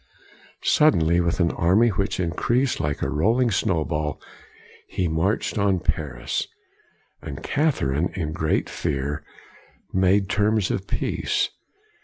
1 Suddenly, with an army which increased like a rolling snow ball, he marched on Paris. And Cath erine, in great fear, made terms of peace.